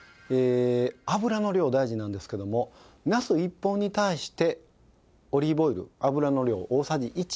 油の量大事なんですけどもなす１本に対してオリーブオイル油の量大さじ１。